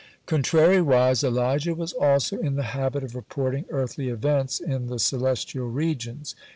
(84) Contrariwise, Elijah was also in the habit of reporting earthly events in the celestial regions.